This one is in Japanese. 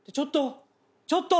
ちょっと！